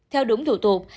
theo đúng thủ tục